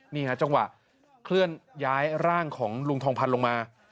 นี่ฮะจังหวะเคลื่อนย้ายร่างของลุงทองพันธ์ลงมา